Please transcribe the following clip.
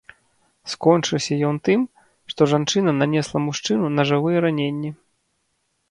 Скончыўся ён тым, што жанчына нанесла мужчыну нажавыя раненні.